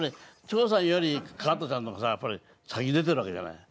長さんより加トちゃんの方がやっぱり先出てるわけじゃない？